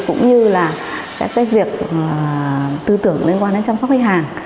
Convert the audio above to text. cũng như là cái việc tư tưởng liên quan đến chăm sóc khách hàng